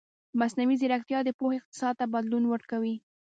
مصنوعي ځیرکتیا د پوهې اقتصاد ته بدلون ورکوي.